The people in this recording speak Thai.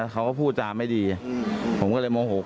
เขาก็พูดจาไม่ดีผมก็เลยโมโห